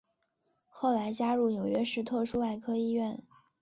后来加入纽约市特殊外科医院。